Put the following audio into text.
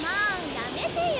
やめてよ。